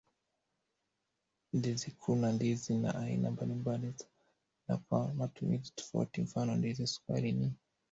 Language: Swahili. ndiziKuna ndizi za aina mbalimbali na kwa matumizi tofauti Mfano ndizi sukari ni